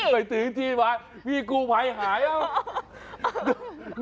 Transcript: ไปถึงที่มาพี่กู้ภัยหายแล้ว